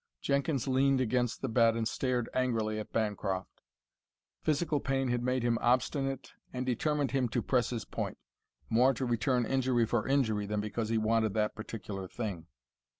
Jenkins leaned against the bed and stared angrily at Bancroft. Physical pain had made him obstinate and determined him to press his point, more to return injury for injury than because he wanted that particular thing.